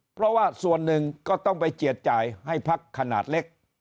เพราะว่าส่วนหนึ่งก็ต้องไปเจียดจ่ายให้พักขนาดเล็ก